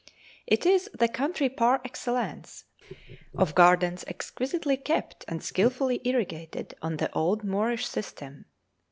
It is the country par excellence of gardens exquisitely kept, and skilfully irrigated on the old Moorish system.